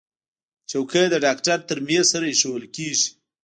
چوکۍ د ډاکټر تر میز سره ایښودل کېږي.